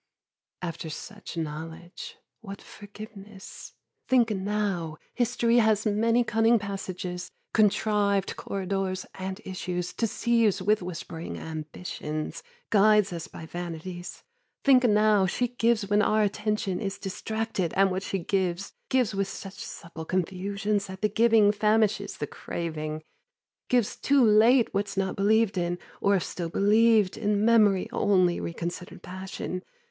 After such knowledge, what forgiveness? Think now History has many cunning passages, contrived corridors And issues, deceives with whispering ambitions, Guides us by vanities. Think now She gives when our attention is distracted And what she gives, gives with such supple confusions That the giving famishes the craving. Gives too late What's not believed in, or if still believed, In memory only, reconsidered passion.